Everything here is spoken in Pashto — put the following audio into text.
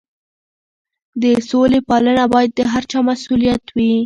د سولې پالنه باید د هر چا مسؤلیت وي.